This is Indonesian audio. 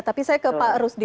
tapi saya ke pak rusdi